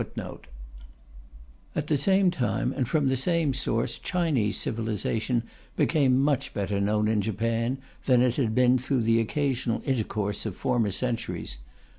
At the same time and from the same source Chinese civilization became much better known in Japan than it had been through the occasional intercourse of former centuries.